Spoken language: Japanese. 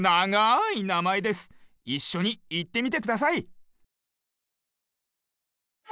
いっしょにいってみてください。